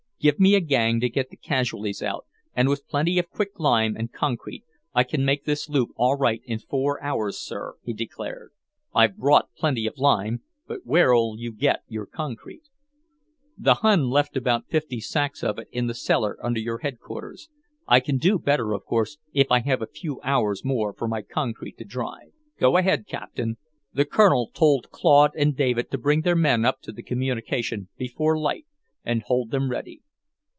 "Give me a gang to get the casualties out, and with plenty of quick lime and concrete I can make this loop all right in four hours, sir," he declared. "I've brought plenty of lime, but where'll you get your concrete?" "The Hun left about fifty sacks of it in the cellar, under your Headquarters. I can do better, of course, if I have a few hours more for my concrete to dry." "Go ahead, Captain." The Colonel told Claude and David to bring their men up to the communication before light, and hold them ready.